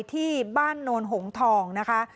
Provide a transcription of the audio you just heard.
ที่บ้านโนนหงทองนะคะ